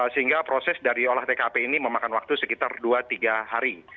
sehingga proses dari olah tkp ini memakan waktu sekitar dua tiga hari